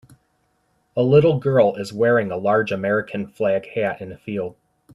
A little girl is wearing a large American flag hat in a field.